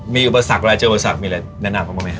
มีอุปสรรคอะไรเจออุปสรรคมีอะไรแนะนำเขาบ้างไหมฮ